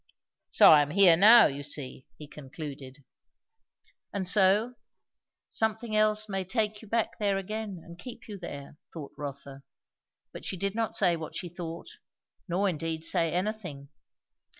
"So I am here now, you see." he concluded. And so, something else may take you back again, and keep you there! thought Rotha; but she did not say what she thought, nor indeed say anything.